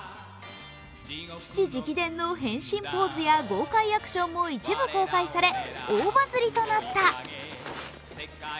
父直伝の変身ポーズや豪快アクションも一部公開され大バズりとなった。